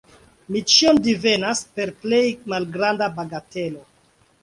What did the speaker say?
Mi ĉion divenas per plej malgranda bagatelo.